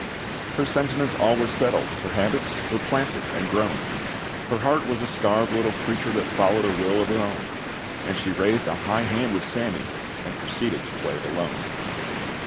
Her sentiments all were settled, Her habits were planted and grown, Her heart was a starved little creature That followed a will of her own; And she raised a high hand with Sammy, and proceeded to play it alone.